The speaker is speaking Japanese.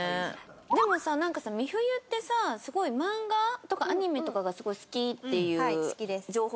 でもさなんかさ美冬ってさすごい漫画とかアニメとかがすごい好きっていう情報ありましたよね。